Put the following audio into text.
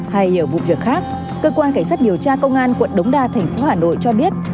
hay nhiều vụ việc khác cơ quan cảnh sát điều tra công an quận đống đa thành phố hà nội cho biết